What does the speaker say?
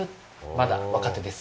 まだ若手です。